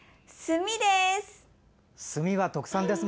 墨です。